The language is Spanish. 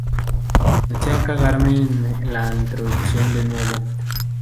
Comencé a cagarme en la Introducción de nuevo